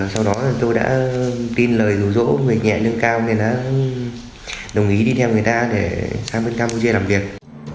sau đó tôi đã tin lời rủ rỗ về nhẹ lương cao nên đã đồng ý đi theo người ta để sang campuchia làm việc